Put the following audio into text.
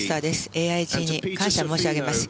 ＡＩＧに感謝申し上げます。